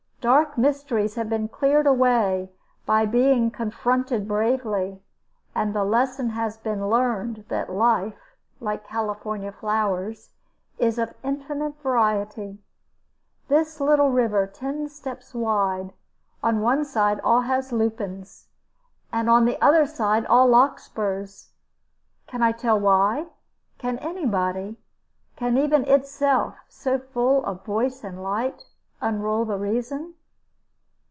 Dark mysteries have been cleared away by being confronted bravely; and the lesson has been learned that life (like California flowers) is of infinite variety. This little river, ten steps wide, on one side has all lupins, on the other side all larkspurs. Can I tell why? Can any body? Can even itself, so full of voice and light, unroll the reason?